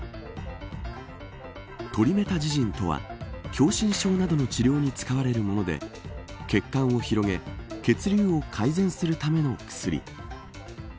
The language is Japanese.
トリメタジジンとは狭心症などの治療に使われるもので血管を広げ血流を改善するための薬。